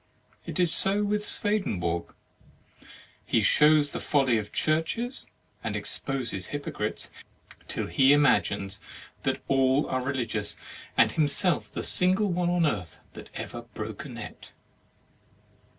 It is so with Swedenborg; he shows the folly of churches, and exposes hypocrites, till he imagines that all are religious, and himself the single one on earth that ever broke a net.